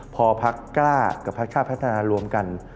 พอพักกล้ากับพักชาติพัฒนารวมกัน